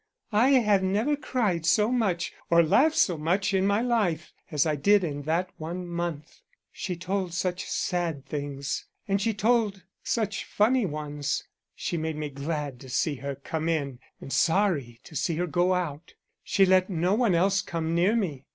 I have never cried so much or laughed so much in my life as I did that one month. She told such sad things and she told such funny ones. She made me glad to see her come in and sorry to see her go out. She let no one else come near me.